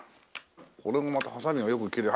これもまたはさみがよく切れる。